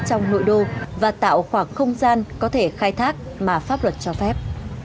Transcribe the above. trong nội đô và tạo khoảng không gian có thể khai thác mà pháp luật cho phép